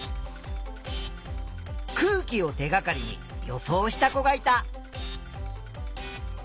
空気を手がかりに予想した子がいた。